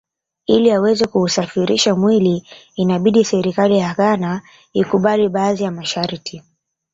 Ili aweze kuusafirisha mwili inabidi serikali ya Ghana ikubali baadhi ya masharti